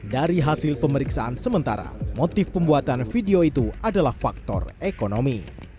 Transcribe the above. dari hasil pemeriksaan sementara motif pembuatan video itu adalah faktor ekonomi